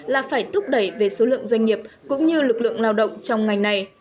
là phải thúc đẩy về số lượng doanh nghiệp cũng như lực lượng lao động trong ngành này